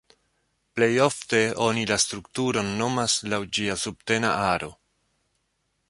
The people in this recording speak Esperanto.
Plej ofte oni la strukturon nomas laŭ ĝia subtena aro.